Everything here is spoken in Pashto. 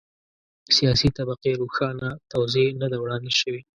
سیاسي طبقې روښانه توضیح نه ده وړاندې شوې.